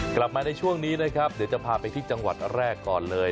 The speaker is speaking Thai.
กลับมาในช่วงนี้นะครับเดี๋ยวจะพาไปที่จังหวัดแรกก่อนเลย